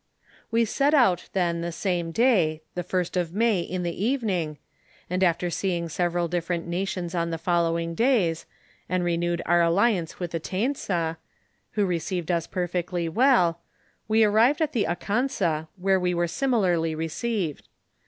"We set out then the same day, the first of May in the evening, and after seeing several difierent nations on the fol lowing days, and renewed our alliance with the Taensa, who received us perfectly well, we arrived at the Akansa where we were similarly received.